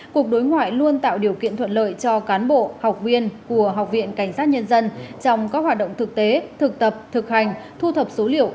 cục đối ngoại luôn tạo điều kiện thuận lợi cho cán bộ học viên của học viện cảnh sát nhân dân trong các hoạt động thực tế thực tập thực hành thu thập số liệu